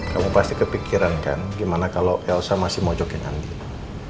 kamu pasti kepikiran kan gimana kalau elsa masih mau jogging andieng